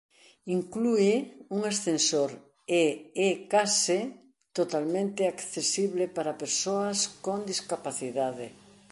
Inclúe un ascensor e é case totalmente accesible para persoas con discapacidade.